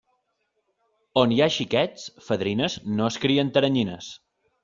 On hi ha xiquets, fadrines, no es crien teranyines.